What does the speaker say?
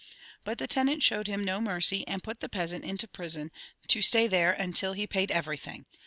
But the tenant showed him no mercy, and put the peasant into prison, to stay there until he paid everything.